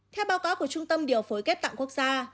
theo báo cáo của trung tâm điều phối ghép tạng quốc gia